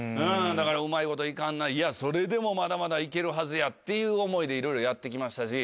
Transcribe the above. うまいこと行かんないやまだまだ行けるはずや！っていう思いでいろいろやって来ましたし。